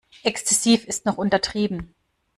Exzessiv ist noch untertrieben.